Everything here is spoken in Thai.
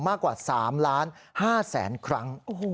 มากกว่า๓ล้าน๕แสนครั้ง